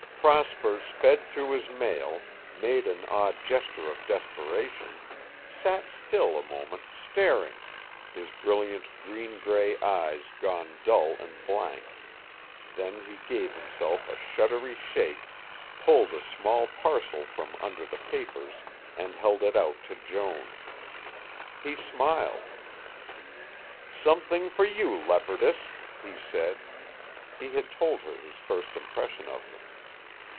Prosper sped through his mail, made an odd gesture of desperation, sat still a moment staring, his brilliant, green gray eyes gone dull and blank, then he gave himself a shuddery shake, pulled a small parcel from under the papers, and held it out to Joan. He smiled. "Something for you, leopardess," he said he had told her his first impression of her.